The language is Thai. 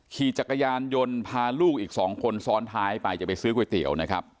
ขี่จักรยานยนต์พาลูกอีก๒คนซ้อนท้ายไปจะไปซื้อก๋วยเตี๋ยวนะครับ